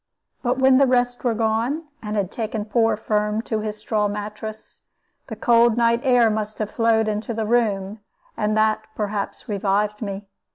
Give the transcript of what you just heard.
But when the rest were gone, and had taken poor Firm to his straw mattress, the cold night air must have flowed into the room, and that, perhaps, revived me.